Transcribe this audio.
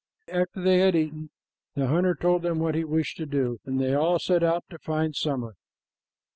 After they had eaten, the hunter told them what he wished to do, and they all set out to find summer.